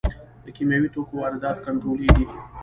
د کیمیاوي توکو واردات کنټرولیږي؟